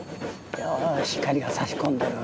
よし光がさし込んでる。